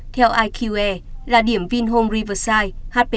theo iqe là điểm vinhome riverside